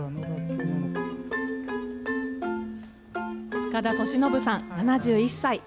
塚田敏信さん７１歳。